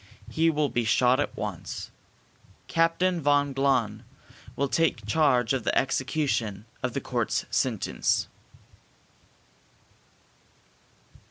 He will be shot at once. Captain von Glahn will take charge of the execution of the court's sentence."